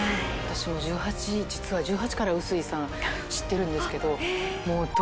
私実は１８から笛吹さん知ってるんですけど。